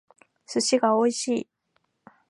寿司が美味しい